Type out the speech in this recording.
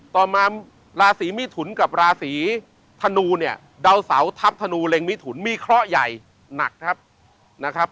ต่อมาราศีมิถุนกับราศีธนูเนี่ยดาวเสาทัพธนูเล็งมิถุนมีเคราะห์ใหญ่หนักครับนะครับ